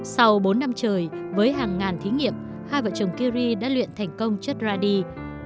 sau bốn năm trời với hàng ngàn thí nghiệm hai vợ chồng curie đã luyện thành công chất radii